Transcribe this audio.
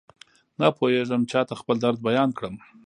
نپوهېږم چاته خپل درد بيان کړم.